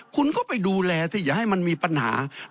คุณก็ไปดูแลสิอย่าให้มันมีปัญหา